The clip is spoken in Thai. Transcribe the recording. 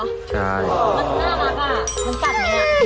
มันหน้ามาบ้างมันกัดมั้ย